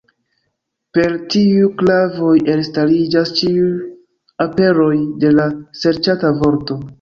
Per tiuj klavoj elstariĝas ĉiuj aperoj de la serĉata vorto.